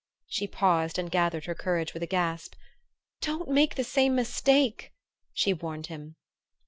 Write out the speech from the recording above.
She paused and gathered her courage with a gasp. "Don't make the same mistake!" she warned him.